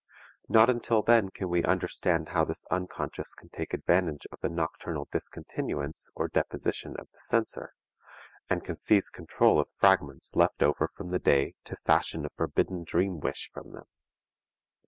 Not until then can we understand how this unconscious can take advantage of the nocturnal discontinuance or deposition of the censor, and can seize control of fragments left over from the day to fashion a forbidden dream wish from them.